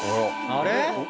あれ？